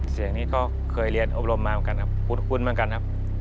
เสียงนี้ก็เคยเรียนอบรมมากันครับหุ้นมากันครับ